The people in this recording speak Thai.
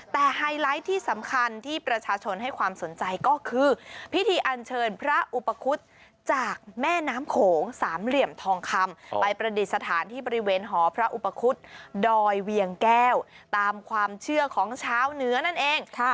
แต่ไฮไลท์ที่สำคัญที่ประชาชนให้ความสนใจก็คือพิธีอันเชิญพระอุปคุฎจากแม่น้ำโขงสามเหลี่ยมทองคำไปประดิษฐานที่บริเวณหอพระอุปคุฎดอยเวียงแก้วตามความเชื่อของชาวเหนือนั่นเอง